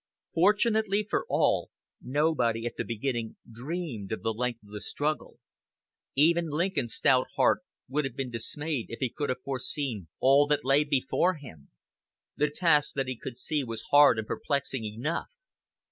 Fortunately for all, nobody at the beginning dreamed of the length of the struggle. Even Lincoln's stout heart would have been dismayed if he could have foreseen all that lay before him. The task that he could see was hard and perplexing enough.